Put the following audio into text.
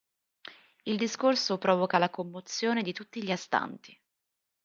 Il discorso provoca la commozione di tutti gli astanti.